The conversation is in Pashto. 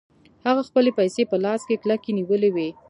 هغه خپلې پيسې په لاس کې کلکې نيولې وې.